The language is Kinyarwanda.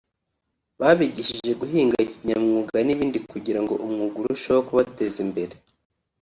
babigishe guhinga kinyamwuga n’ibindi kugira ngo umwuga urusheho kubateza imbere